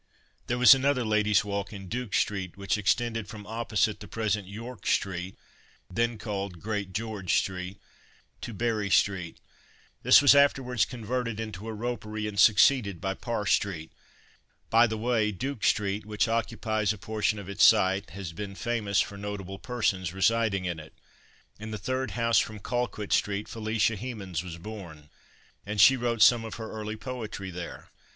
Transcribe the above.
There was another Ladies Walk in Duke street, which extended from opposite the present York street (then called Great George street) to Berry street. This was afterwards converted into a ropery and succeeded by Parr street. By the way, Duke street, which occupies a portion of its site, has been famous for notable persons residing in it. In the third house from Colquitt street Felicia Hemans was born, and she wrote some of her early poetry there.